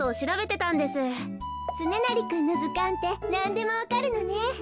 つねなりくんのずかんってなんでもわかるのね。